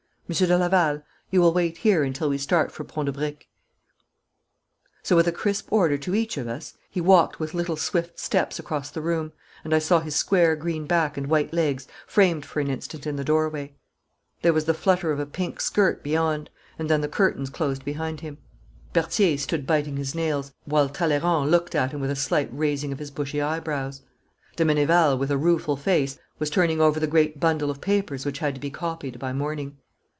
Monsieur de Laval, you will wait here until we start for Pont de Briques.' So with a crisp order to each of us, he walked with little swift steps across the room, and I saw his square green back and white legs framed for an instant in the doorway. There was the flutter of a pink skirt beyond, and then the curtains closed behind him. Berthier stood biting his nails, while Talleyrand looked at him with a slight raising of his bushy eyebrows. De Meneval with a rueful face was turning over the great bundle of papers which had to be copied by morning.